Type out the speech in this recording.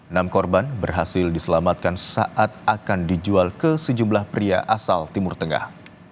enam korban berhasil diselamatkan saat akan dijual ke sejumlah pria asal timur tengah